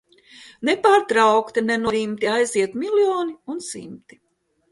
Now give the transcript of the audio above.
Nepārtraukti, nenorimti aiziet miljoni un simti.